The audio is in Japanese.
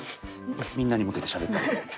みんなに向けてしゃべったの。